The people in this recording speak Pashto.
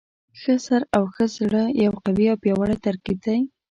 ښه سر او ښه زړه یو قوي او پیاوړی ترکیب دی.